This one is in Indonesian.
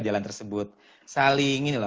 jalan tersebut saling ini loh